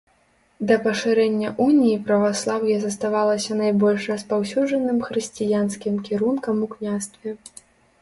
Да пашырэння уніі праваслаўе заставалася найбольш распаўсюджаным хрысціянскім кірункам у княстве.